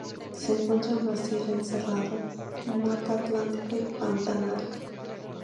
Se encuentra en Brasil en Cerrado, Mata Atlántica y Pantanal.